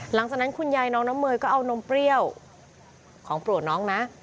หลังจากนั้นคุณยายน้องน้ำเมยก็เอานมเปรี้ยวของโปรดน้องนะ